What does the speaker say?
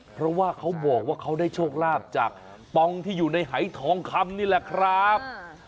เพราะว่าเขาบอกว่าเขาได้โชคลาภจากปองที่อยู่ในหายทองคำนี่แหละครับ